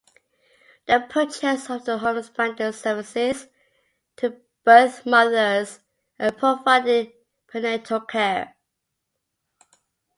The purchase of the Home expanded services to birth mothers and provided prenatal care.